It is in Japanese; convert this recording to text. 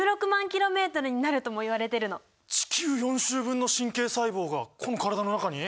地球４周分の神経細胞がこの体の中に？